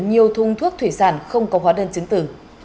nhiều thùng thuốc thủy sản không có hóa đơn chứng tử